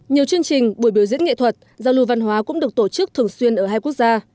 nhiều chương trình buổi biểu diễn nghệ thuật giao lưu văn hóa cũng được tổ chức thường xuyên ở hai quốc gia